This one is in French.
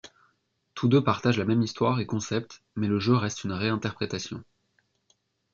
Tous deux partagent la même histoire et concept, mais le jeu reste une réinterprétation.